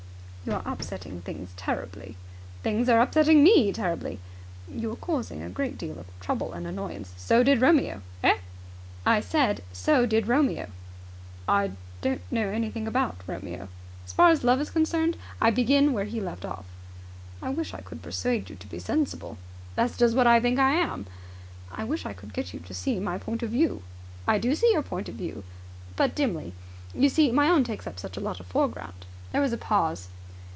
"You are upsetting things terribly." "Things are upsetting me terribly." "You are causing a great deal of trouble and annoyance." "So did Romeo." "Eh?" "I said So did Romeo." "I don't know anything about Romeo." "As far as love is concerned, I begin where he left off." "I wish I could persuade you to be sensible." "That's just what I think I am." "I wish I could get you to see my point of view." "I do see your point of view. But dimly. You see, my own takes up such a lot of the foreground." There was a pause.